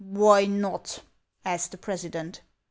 " Why not ?" asked the president.